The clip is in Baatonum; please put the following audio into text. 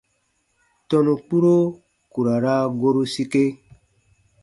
Tɔnu kpuro ku ra raa goru sike.